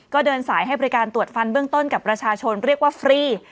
ก็เดินสายให้บริการตรวจฟันเบื้องต้นกับประชาชนเรียกว่าฟรี